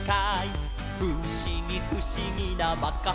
「ふしぎふしぎなまかふしぎ」